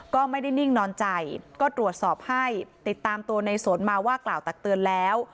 ก็ไม่ได้นิ่งนอนใจก็ตรวจสอบให้ติดตามตัวในสนมาว่ากล่าวตักเตือนแล้ว